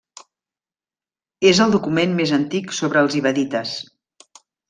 És el document més antic sobre els ibadites.